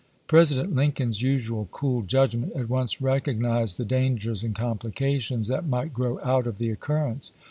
President Lincoln's usual cool judgment at once recognized the dangers and complications that might grow out of the occurrence.